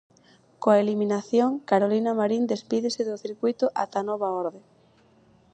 Coa eliminación, Carolina Marín despídese do circuíto ata nova orde.